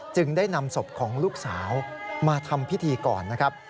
จึงได้นำศพของลูกสาวมาทำพิธีก่อนนะครับ